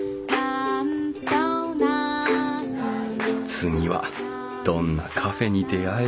次はどんなカフェに出会えるのかな。